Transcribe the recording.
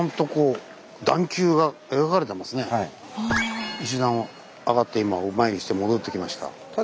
石段を上がって今お参りして戻ってきました。